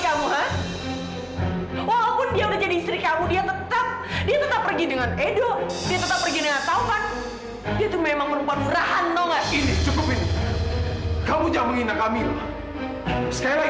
karena apa karena aku udah gak mempunyai suatu yang berharga di dunia ini ngerti